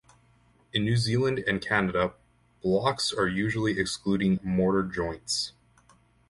In New Zealand and Canada, blocks are usually excluding mortar joints.